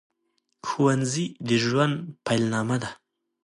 ښوونځي د ژوند پیل نامه ده